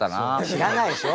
知らないでしょ。